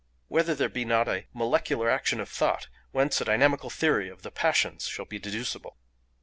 whether there be not a molecular action of thought, whence a dynamical theory of the passions shall be deducible?